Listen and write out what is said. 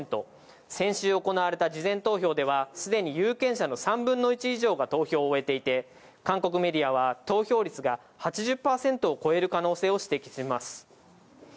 先週行われた事前投票ではすでに有権者の３分の１以上が投票を終えていて、韓国メディアは投票率が８０％を超える可能性を指摘しています。